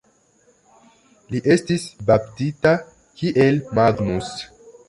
Li estis baptita kiel Magnus.